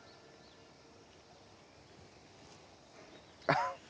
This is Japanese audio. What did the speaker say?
あっ。